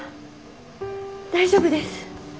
大丈夫です。